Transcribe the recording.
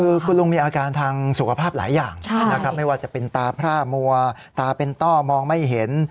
คือคุณลุงมีอาการทางสุขภาพหลายอย่างนะครับไม่ว่าจะเป็นตาพร่ามัวตาเป็นต้อมองไม่เห็น